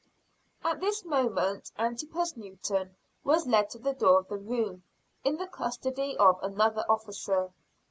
At this moment Antipas Newton was led to the door of the room, in the custody of another officer.